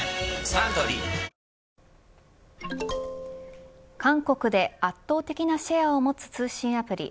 サントリー韓国で圧倒的なシェアを持つ通信アプリ